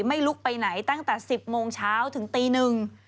ไม่ลุกไปไหนตั้งแต่๑๐โมงเช้าถึงตีหนึ่ง